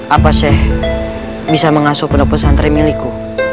apa sheikh bisa mengasuh pendapat santri milikku